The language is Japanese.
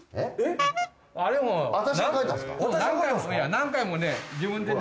何回も自分でね。